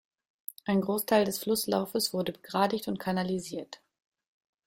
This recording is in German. Ein Großteil des Flusslaufes wurde begradigt und kanalisiert.